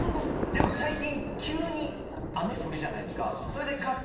でも最近急に雨降るじゃないですか。